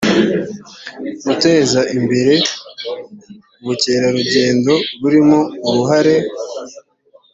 guteza imbere ubukerarugendo burimo uruhare